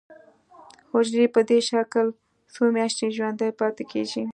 حجره په دې شکل څو میاشتې ژوندی پاتې کیږي.